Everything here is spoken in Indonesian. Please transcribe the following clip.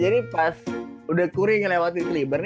jadi pas udah kurih ngelewati kliber